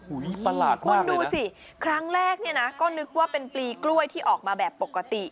ประหลาดคุณดูสิครั้งแรกเนี่ยนะก็นึกว่าเป็นปลีกล้วยที่ออกมาแบบปกติ